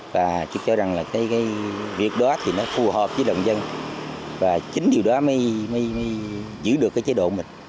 và tôi cho rằng là cái việc đó thì nó phù hợp với động dân và chính điều đó mới giữ được cái chế độ mình